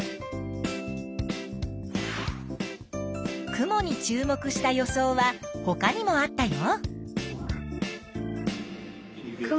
雲に注目した予想はほかにもあったよ。